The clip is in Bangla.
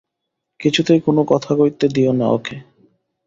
কিছুতেই কোনো কথা কইতে দিয়ো না ওঁকে।